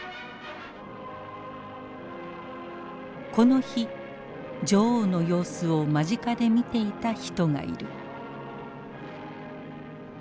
この日女王の様子を間近で見ていた人がいる。